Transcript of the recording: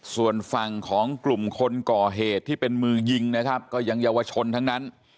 ส่วนฝั่งของกลุ่มคนก่อเหตุที่เป็นมือยิงนะครับก็ยังเยาวชนทั้งนั้น